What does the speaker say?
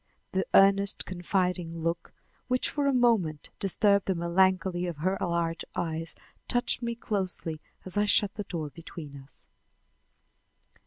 The earnest, confiding look, which for a moment disturbed the melancholy of her large eyes, touched me closely as I shut the door between us.